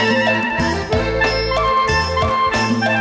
เยี่ยมไปต่อ